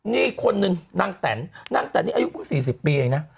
นี่คนนึงนางแต่นนางแต่นนี่อายุ๔๐ปีเองนะ